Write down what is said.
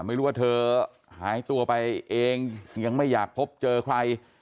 ไม่รู้ว่าเธอหายตัวไปเองยังไม่อยากพบเจอใคร